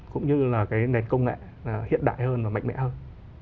cũng như là cái nền công nghệ hiện đại hơn và mạnh mẽ hơn